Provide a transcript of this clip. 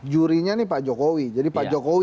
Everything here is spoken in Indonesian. jurinya nih pak jokowi jadi pak jokowi